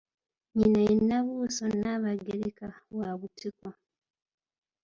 Nnyina ye Nnabuuso Nnaabagereka, wa Butiko.